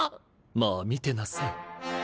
まあ見てなさい。